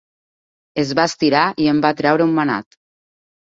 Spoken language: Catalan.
Es va estirar i en va treure un manat.